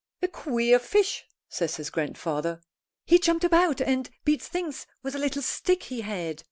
"A queer fish," says his grandfather. "He jumped about and beat things with a little stick he had.